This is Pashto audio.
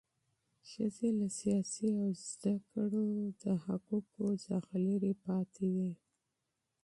ښځې له سیاسي او تعلیمي حقوقو محرومې وې.